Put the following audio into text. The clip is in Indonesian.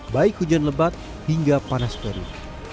baik hujan lebat hingga panas peri